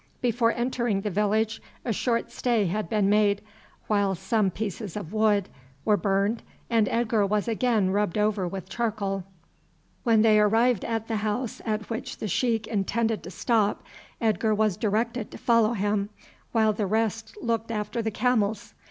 Before entering the village a short stay had been made, while some pieces of wood were burned, and Edgar was again rubbed over with charcoal. When they arrived at the house at which the sheik intended to stop, Edgar was directed to follow him, while the rest looked after the camels.